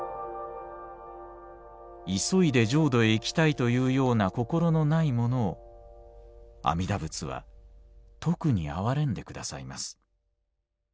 「急いで浄土へ行きたいというような心のないものを阿弥陀仏はとくに憐れんでくださいます。